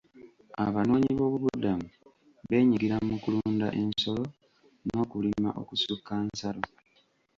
Abanoonyi b'obubudamu beenyigira mu kulunda ensolo n'okulima okusukka nsalo.